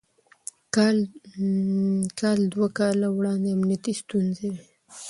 کال دوه کاله وړاندې امنيتي ستونزې وې.